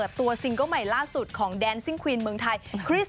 อย่ามากกว่านี้เนาะ